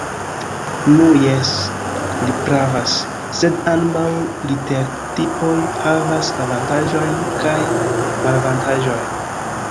Nu jes, li pravas; sed ambaŭ litertipoj havas avantaĝojn kaj malavantaĝojn.